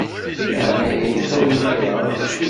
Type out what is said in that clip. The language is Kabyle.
Di leɛnaya-k xdem kra.